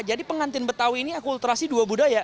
jadi pengantin betawi ini akulterasi dua budaya